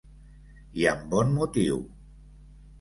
I amb bon motiu.